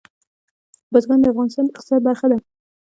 بزګان د افغانستان د اقتصاد برخه ده.